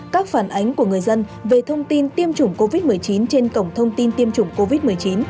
các phản ánh của người dân về thông tin tiêm chủng covid một mươi chín trên cổng thông tin tiêm chủng covid một mươi chín